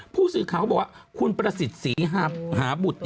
ผู้สื่อข่าวเขาบอกว่าคุณประสิทธิ์ศรีหาบุตร